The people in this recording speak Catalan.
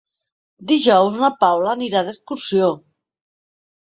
Dijous na Paula anirà d'excursió.